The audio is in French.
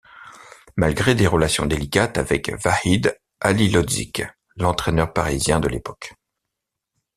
Malgré des relations délicates avec Vahid Halilhodžić, l’entraîneur parisien de l’époque.